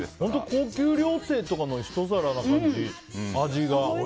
高級料亭とかのひと皿な感じ、味が。